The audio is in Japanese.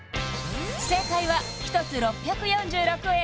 正解は１つ６４６円